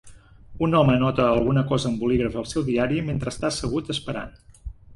Un home anota alguna cosa amb bolígraf al seu diari mentre està assegut esperant.